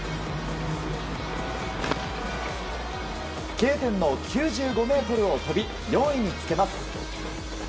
Ｋ点の９５ｍを飛び４位につけます。